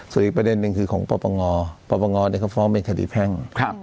ส่วนอีกประเด็นหนึ่งคือของประปังงอประปังงอเนี่ยเขาฟ้าวงเป็นคดีแพ่ง